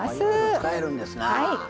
使えるんですなあ。